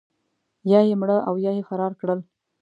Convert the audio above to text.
یا یې مړه او یا یې فرار کړل.